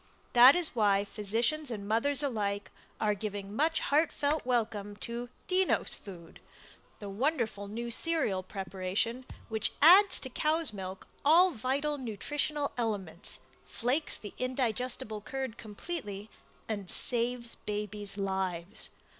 That is why physicians and mothers alike are giving much heartfelt welcome to DENNOS FOOD the wonderful new cereal preparation which adds to cow's milk all vital nutritional elements flakes the indigestible curd completely, and Saves Babies' Lives.